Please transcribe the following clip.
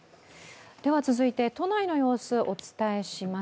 続いて、都内の様子をお伝えします。